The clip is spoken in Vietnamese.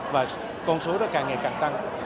và con số đó càng ngày càng tăng